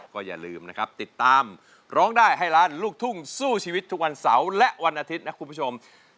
ก็อย่าลืมนะครับติดตามร้องได้ให้ล้านลูกทุ่งสู้ชีวิตทุกวันเสาร์และวันอาทิตย์นะคุณผู้ชม